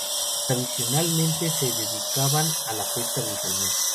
Tradicionalmente se dedicaban a la pesca del salmón.